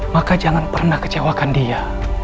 maka jangan pernah kecewakan dia